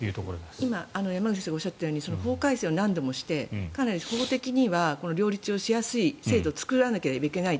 今、山口先生がおっしゃったように法改正を何度もしてかなり法的には両立をしやすい制度を作らなければいけないと。